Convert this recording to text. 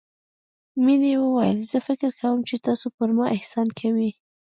مينې وويل زه فکر کوم چې تاسو پر ما احسان کوئ.